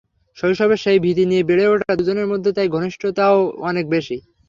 শৈশবের সেই ভীতি নিয়ে বেড়ে ওঠা দুজনের মধ্যে তাই ঘনিষ্ঠতাও অনেক বেশি।